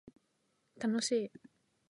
楽しい